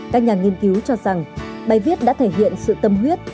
các nhà nghiên cứu cho rằng bài viết đã thể hiện sự tâm huyết